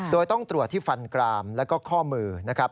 โดยต้องตรวจที่ฟันกรามแล้วก็ข้อมือนะครับ